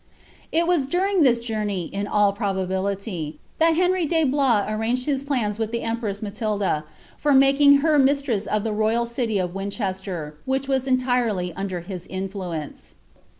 It was during this journey, in all probability, that Henry de Blois anmnged his plims with the empress Matilda, for making her mistress of the royal city of Winchester, which was entirely under his influence.